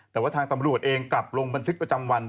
แต่ว่าทางตำรวจเองกลับลงบันทึกประจำวัน